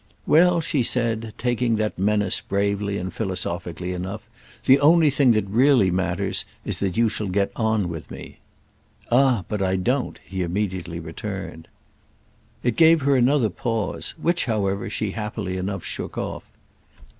"Well," she said, taking that menace bravely and philosophically enough, "the only thing that really matters is that you shall get on with me." "Ah but I don't!" he immediately returned. It gave her another pause; which, however, she happily enough shook off.